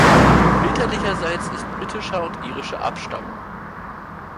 Väterlicherseits ist britischer und irischer Abstammung.